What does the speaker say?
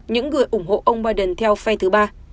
những người ủng hộ ông biden theo phai thứ ba